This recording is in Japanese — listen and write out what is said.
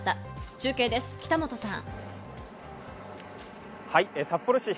中継です、北本さん。